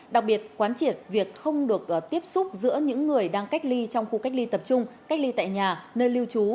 đặc biệt quán triệt việc không được tiếp xúc giữa những người đang cách ly trong khu cách ly tập trung cách ly tại nhà nơi lưu trú